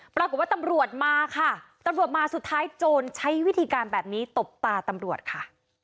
ปรากฏว่าตำรวจมาค่ะตำรวจมาสุดท้ายโจรใช้วิธีการแบบนี้ตบตาตำรวจค่ะ